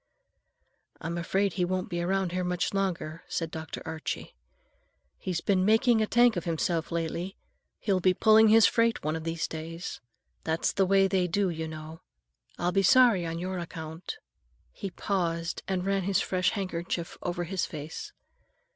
"I'm afraid he won't be around here much longer," said Dr. Archie. "He's been making a tank of himself lately. He'll be pulling his freight one of these days. That's the way they do, you know. I'll be sorry on your account." He paused and ran his fresh handkerchief over his face.